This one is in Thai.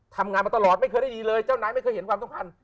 มาตลอดไม่เคยได้ดีเลยเจ้านายไม่เคยเห็นความสัมพันธ์